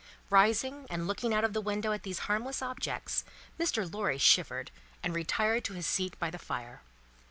Rising and looking out of window at these harmless objects, Mr. Lorry shivered, and retired to his seat by the fire.